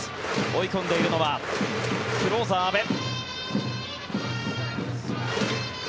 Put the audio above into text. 追い込んでいるのはクローザー、阿部。